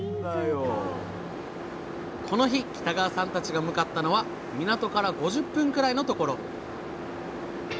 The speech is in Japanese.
この日北川さんたちが向かったのは港から５０分くらいのところ。